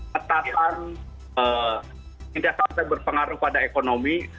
ketatan tidak sampai berpengaruh pada ekonomi